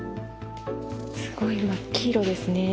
すごい真っ黄色ですね。